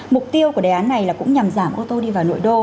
mục tiêu của đề án này là cũng nhằm giảm ô tô đi vào nội đô